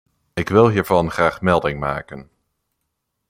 Ik wil hiervan graag melding maken.